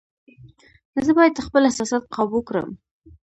زه باید خپل احساسات قابو کړم.